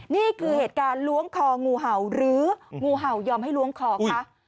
นี่คือเหตุการณ์ล้วงคองูเห่าหรืองูเห่ายอมให้ล้วงคอคะ